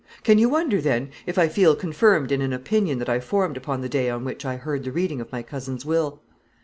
Can you wonder, then, if I feel confirmed in an opinion that I formed upon the day on which I heard the reading of my cousin's will?"